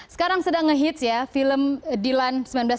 sekarang sedang nge hits ya film dilan seribu sembilan ratus sembilan puluh